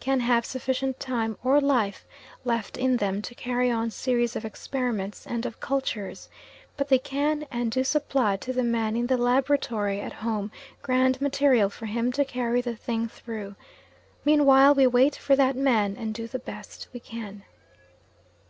can have sufficient time or life left in them to carry on series of experiments and of cultures; but they can and do supply to the man in the laboratory at home grand material for him to carry the thing through; meanwhile we wait for that man and do the best we can.